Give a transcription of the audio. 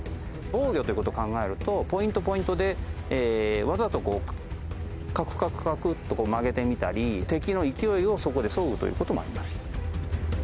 防御という事を考えるとポイント、ポイントでわざと、こう、カクカクカクッと曲げてみたり敵の勢いをそこでそぐという事もあります。